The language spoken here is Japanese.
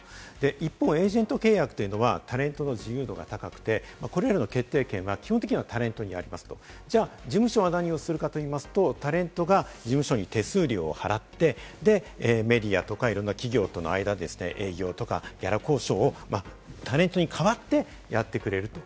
一方、エージェント契約はタレントの自由度が高くて、これらの決定権は基本的にはタレントになりますと、事務所は何をするかといいますと、タレントが事務所に手数料を払ってメディアとか、いろんな企業との間で営業とかギャラ交渉をタレントに代わってやってくれると。